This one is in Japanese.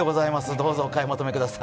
どうぞお買い求めください。